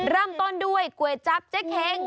เริ่มต้นด้วยก๋วยจับเจ๊เฮง